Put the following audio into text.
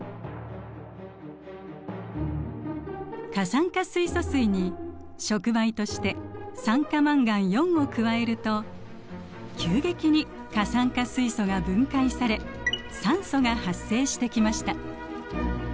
過酸化水素水に触媒として酸化マンガンを加えると急激に過酸化水素が分解され酸素が発生してきました。